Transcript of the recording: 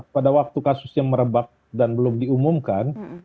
pada waktu kasusnya merebak dan belum diumumkan